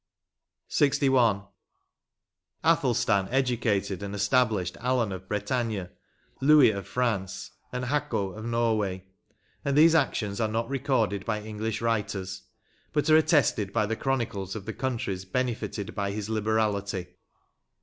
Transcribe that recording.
122 LXI. "Athelstan educated and established Alan of Bretagne, Louis of France, aud Haco of Norway; and these actions are not recorded by English "writers, but are attested by the chronicles of the countries benefited by his liberality.